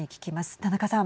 田中さん。